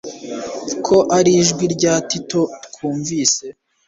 ko ari ijwi rya Tito twumvise